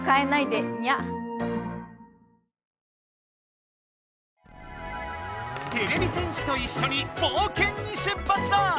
てれび戦士といっしょに冒険にしゅっぱつだ！